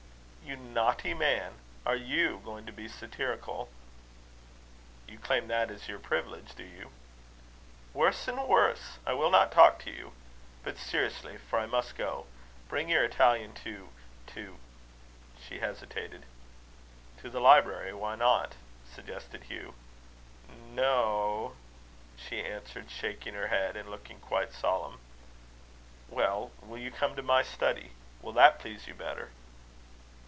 "You naughty man! Are you going to be satirical?" "You claim that as your privilege, do you?" "Worse and worse! I will not talk to you. But, seriously, for I must go bring your Italian to to " She hesitated. "To the library why not?" suggested Hugh. "No o," she answered, shaking her head, and looking quite solemn. "Well, will you come to my study? Will that please you better?"